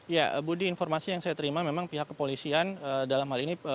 ya budi informasi yang saya terima memang pihak kepolisian dalam hal ini